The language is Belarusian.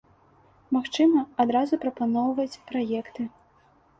Магчыма, адразу прапаноўваць праекты.